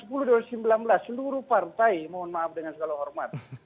seluruh partai mohon maaf dengan segala hormat